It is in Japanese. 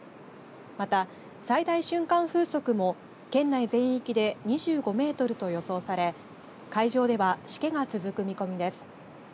また最大瞬間風速も県内全域で２５メートルと予想され海上では、しけが続く見込みです。